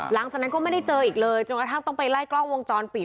หลังจากนั้นก็ไม่ได้เจออีกเลยจนกระทั่งต้องไปไล่กล้องวงจรปิด